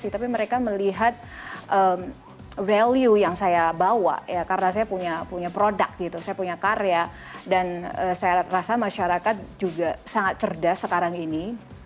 tapi mereka melihat value yang saya bawa ya karena saya punya produk gitu saya punya karya dan saya rasa masyarakat juga sangat cerdas sekarang ini